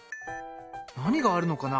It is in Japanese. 何があるのかな？